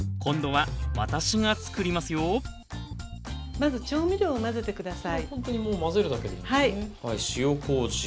はい。